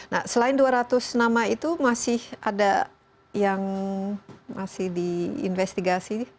nah selain dua ratus nama itu masih ada yang masih diinvestigasi